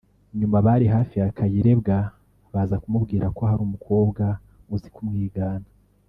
nyuma abari hafi ya Kayirebwa baza kumubwira ko hari umukobwa uzi kumwigana